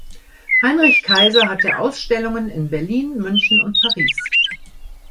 Heinrich Kaiser hatte Ausstellungen in Berlin, München und Paris.